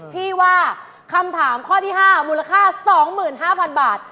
พี่ว่าคำถามข้อที่๕มูลค่า๒๕๐๐๐บาท